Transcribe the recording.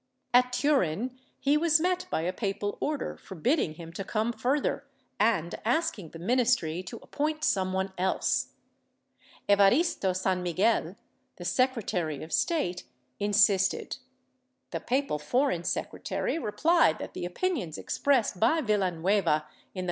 At Turin he was met by a papal order forbidding him to come further and asking the ministry to appoint some one else. Evaristo San Miguel, the Secretary of State, insisted ; the papal foreign secretary replied that the opinions expressed by Villanueva in the "Cartas ^ H.